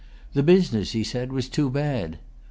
The business, he said, was too bad.